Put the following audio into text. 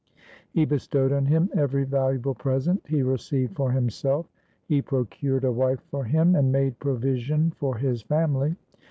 He bestowed on him every valuable present he received for himself. He procured a wife for him and made provision for his family.